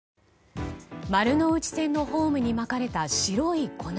丸ノ内線のホームにまかれた白い粉。